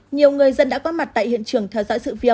nhiều người dân đã có mặt tại hiện trường theo dõi sự phiêu